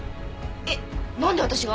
えっなんで私が？